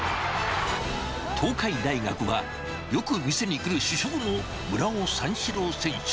東海大学は、よく店に来る主将の村尾三四郎選手。